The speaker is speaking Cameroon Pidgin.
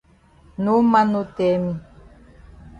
No man no tell me.